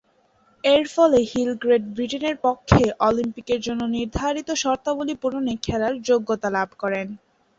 এরফলে Hill Great ব্রিটেনের পক্ষে অলিম্পিকের জন্য নির্ধারিত শর্তাবলী পূরণে খেলার যোগ্যতা লাভ করেন।